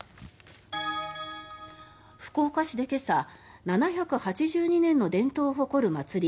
福岡市で今朝７８２年の伝統を誇る祭り